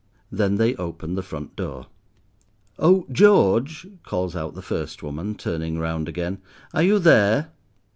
Then they open the front door. "Oh, George," calls out the first woman, turning round again. "Are you there?"